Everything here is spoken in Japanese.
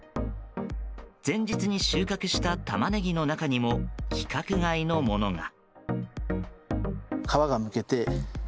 前日に収穫したタマネギの中にも規格外のものが。